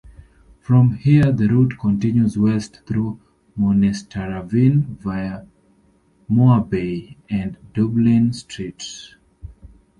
From here, the route continues west through Monasterevin via "Mooreabbey" and "Dublin Street".